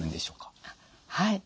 はい。